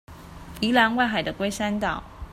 宜蘭外海的龜山島